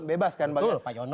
bebas kan pak yono